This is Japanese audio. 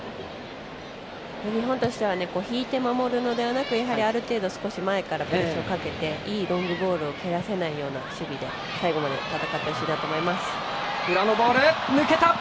日本としては引いて守るのではなくやはりある程度前からプレッシャーかけていいロングボールを蹴らせないような守備で最後まで戦ってほしいと思います。